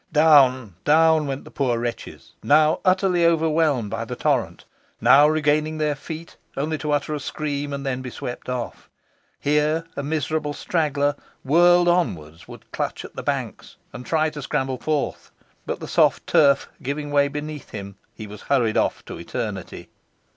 Down, down went the poor wretches, now utterly overwhelmed by the torrent, now regaining their feet only to utter a scream, and then be swept off. Here a miserable struggler, whirled onward, would clutch at the banks and try to scramble forth, but the soft turf giving way beneath him, he was hurried off to eternity.